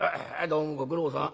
『どうもご苦労さん。